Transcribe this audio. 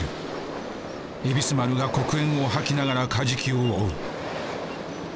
恵比須丸が黒煙を吐きながらカジキを追う。